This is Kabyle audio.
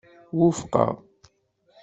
Wufqeɣ.